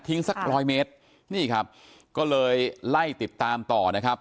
สักร้อยเมตรนี่ครับก็เลยไล่ติดตามต่อนะครับ